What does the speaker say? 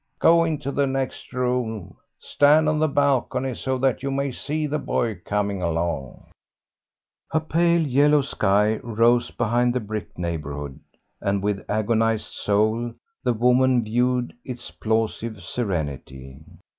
Go into the next room, stand on the balcony so that you may see the boy coming along." A pale yellow sky rose behind the brick neighbourhood, and with agonised soul the woman viewed its plausive serenity.